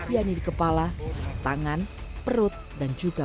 yaitu di kepala tangan perut dan juga